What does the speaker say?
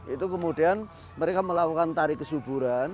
itu kemudian mereka melakukan tari kesuburan